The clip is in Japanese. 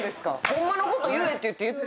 ホンマのこと言えっていって言って。